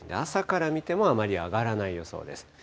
朝から見てもあまり上がらない予想です。